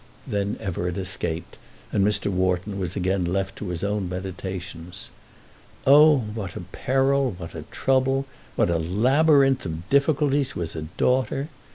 Then Everett escaped, and Mr. Wharton was again left to his own meditations. Oh, what a peril, what a trouble, what a labyrinth of difficulties was a daughter!